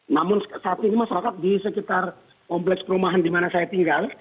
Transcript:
namun saat ini masyarakat di sekitar kompleks perumahan di mana saya tinggal